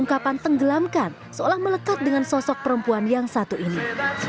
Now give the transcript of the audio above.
ungkapan tenggelamkan seolah melekat dengan sosok perempuan yang satu ini